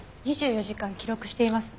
２４時間記録しています。